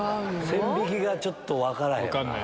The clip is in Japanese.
線引きがちょっと分からへん。